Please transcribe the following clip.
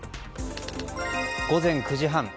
午前９時半。